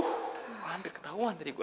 hampir ketauan tadi gua